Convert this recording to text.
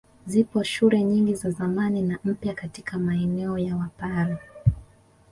Zipo shule nyingi za zamani na mpya katika maeneo ya Wapare